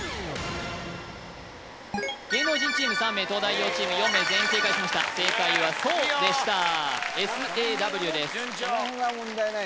芸能人チーム３名東大王チーム４名全員正解しました正解はｓａｗでした「ｓ」「ａ」「ｗ」です・順調！